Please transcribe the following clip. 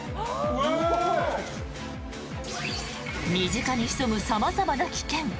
身近に潜む様々な危険。